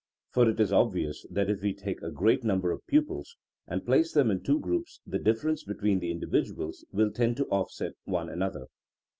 For it is obvious that if we taie a great number of pupils and place them in two groups the differences between the indi viduals will tend to offset one another.